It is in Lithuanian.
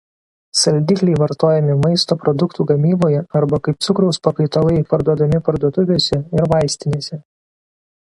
Saldikliai vartojami maisto produktų gamyboje arba kaip cukraus pakaitalai parduodami parduotuvėse ir vaistinėse.